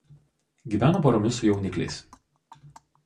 Gyvena poromis su jaunikliais.